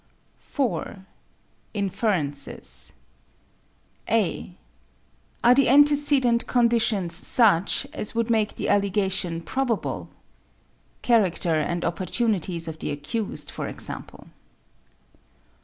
4. Inferences (a) Are the antecedent conditions such as would make the allegation probable? (Character and opportunities of the accused, for example.)